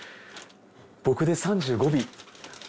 僕で３５尾。